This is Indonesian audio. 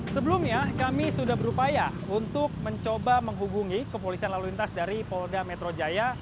sebelumnya kami sudah berupaya untuk mencoba menghubungi kepolisian lalu lintas dari polda metro jaya